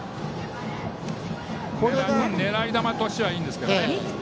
狙い球としてはいいんですけどね。